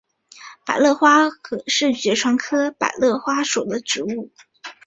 百簕花是爵床科百簕花属的植物。